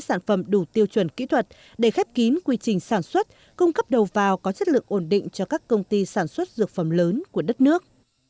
sản phẩm đủ tiêu chuẩn kỹ thuật để khép kín quy trình sản xuất cung cấp đầu vào có chất lượng ổn định cho các công ty sản xuất dược phẩm lớn của đất nước